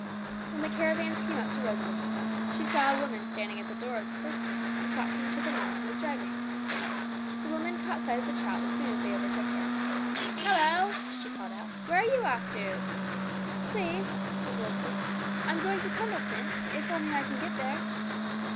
When the caravans came up to Rosalie, she saw a woman standing at the door of the first one, and talking to the man who was driving. The woman caught sight of the child as soon as they overtook her. 'Halloa!' she called out; 'where are you off to?' 'Please,' said Rosalie, 'I'm going to Pendleton, if only I can get there.'